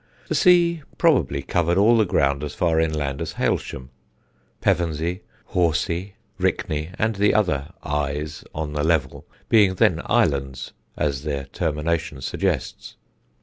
The sea probably covered all the ground as far inland as Hailsham Pevensey, Horseye, Rickney and the other "eyes" on the level, being then islands, as their termination suggests.